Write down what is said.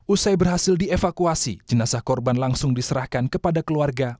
usai berhasil dievakuasi jenazah korban langsung diserahkan kepada keluarga